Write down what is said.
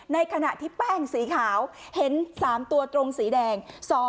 ในขณะที่แป้งสีขาวเห็น๓ตัวตรงสีแดง